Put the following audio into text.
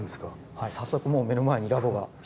はい早速もう目の前にラボが１つ２つと。